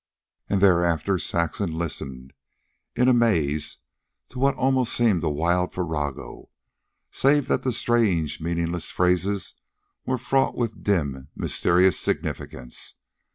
And thereafter Saxon listened, in a maze, to what almost seemed a wild farrago, save that the strange meaningless phrases were fraught with dim, mysterious significance.